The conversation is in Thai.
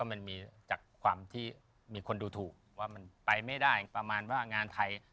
มันมีจากความที่มีคนดูถูกว่ามันไปไม่ได้ประมาณว่างานไทย